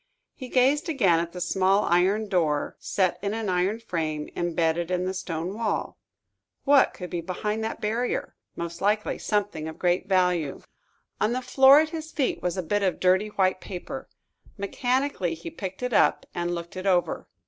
He gazed again at the small iron door, set in an iron frame, embedded in the stone wall. What could be behind that barrier? Most likely something of great value. On the floor at his feet was a bit of dirty white paper. Mechanically, he picked it up and looked it over.